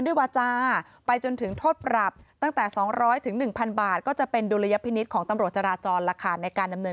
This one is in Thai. อย่างที่ท่าน